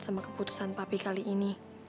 sama keputusan papi kali ini